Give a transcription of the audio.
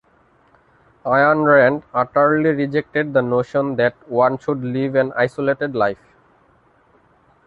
Ayn Rand utterly rejected the notion that one should live an isolated life.